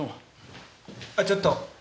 あっちょっと。